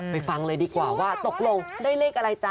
ฟังเลยดีกว่าว่าตกลงได้เลขอะไรจ๊